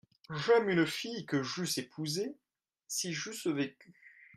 J'aime une jeune fille que j'eusse épousée si j'eusse vécu.